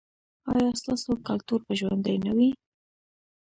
ایا ستاسو کلتور به ژوندی نه وي؟